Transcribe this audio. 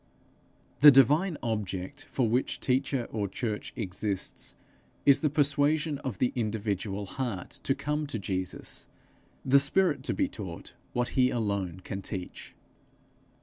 The divine object for which teacher or church exists, is the persuasion of the individual heart to come to Jesus, the spirit, to be taught what he alone can teach.